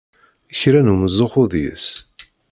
Kra n umzuxxu deg-s!